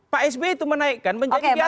pak sby itu menaikkan menjadi di atas sepuluh